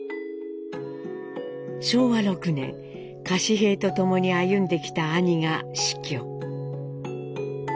昭和６年柏平と共に歩んできた兄が死去。